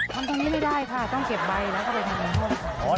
ทำตรงนี้ไม่ได้ค่ะต้องเก็บใบแล้วก็ไปทำห้อง